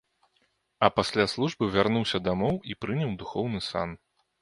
А пасля службы вярнуўся дамоў і прыняў духоўны сан.